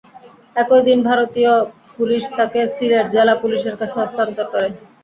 একই দিন ভারতীয় পুলিশ তাঁকে সিলেট জেলা পুলিশের কাছে হস্তান্তর করে।